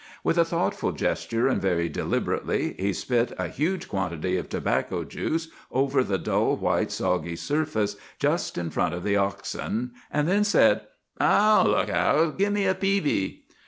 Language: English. With a thoughtful gesture, and very deliberately, he spit a huge quantity of tobacco juice over the dull white, soggy surface just in front of the oxen, and then said,— "'I'll look out. Gimme a peevy!